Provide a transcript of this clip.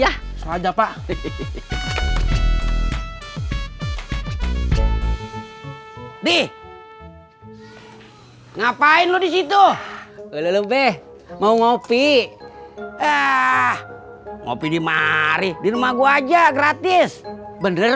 hai nih ngapain lu di situ lebih mau ngopi ah ngopi di mari di rumah gua aja gratis bener